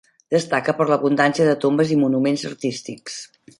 Destaca per l'abundància de tombes i monuments artístics.